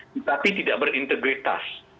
tetapi tidak berintegritas